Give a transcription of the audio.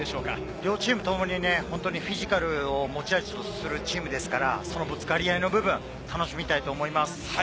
両チームともにフィジカルを持ち味とするチームですから、そのぶつかり合いの部分、楽しみたいと思います。